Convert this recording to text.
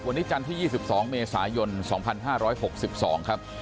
วันนี้จันทร์ที่๒๒เมษายน๒๕๖๒ครับ